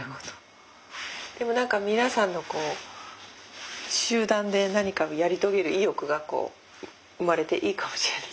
でも何か皆さんの集団で何かをやり遂げる意欲が生まれていいかもしれない。